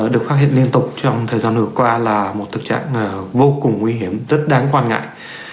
được phát hiện liên tục trong thời gian vừa qua là một thực trạng vô cùng nguy hiểm rất đáng quan ngại